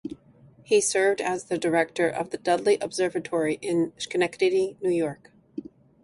He served as the director of the Dudley Observatory in Schenectady, New York.